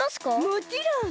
もちろん！